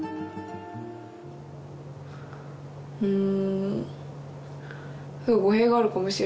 うん。